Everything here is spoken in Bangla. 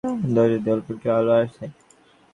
ঘর অন্ধকার, নাবার ঘরের খোলা দরজা দিয়ে অল্প একটু আলো আসছে।